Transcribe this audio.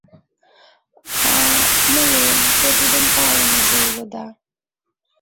— А, умылем, те тудын палымыже улыда!